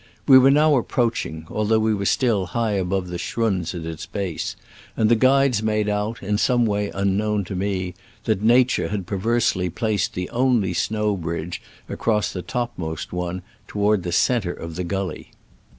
We were now approaching, although we were still high above, the schrunds at its base, and the guides made out, in some way unknown to me, that Nature had perversely placed the only snow bridge across the topmost one toward the centre of the gully.